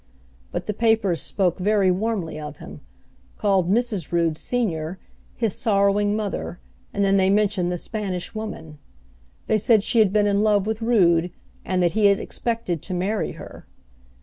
But the papers spoke very warmly of him; called Mrs. Rood, Senior, his sorrowing mother, and then they mentioned the Spanish Woman. They said she had been in love with Rood, and that he had expected to marry her.